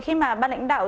khi mà ban lãnh đạo